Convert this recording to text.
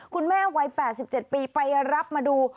คุณแม่วัย๘๗ปีไปรับมาดู